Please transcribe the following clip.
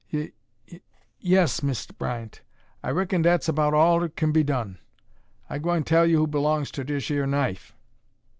"Y y yes, Mist' Bryant. ...I raikon dat's erbout all what kin be done. I gwine tell you who b'longs ter dish yer knife."